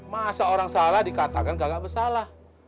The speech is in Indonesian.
masa orang salah dikatakan gagal bersalah